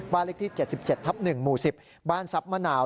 บ้านเล็กที่๗๗ทับ๑หมู่๑๐บ้านซับมะนาว